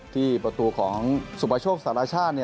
ที่ประตูของสุปโชคสารชาติ